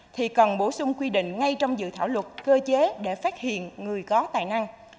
thì cần bổ sung quy định ngay trong dự thảo luật cơ chế để phát hiện người có tài năng